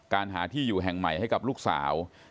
หาที่อยู่แห่งใหม่ให้กับลูกสาว